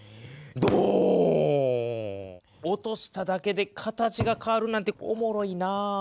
落としただけで形が変わるなんておもろいな。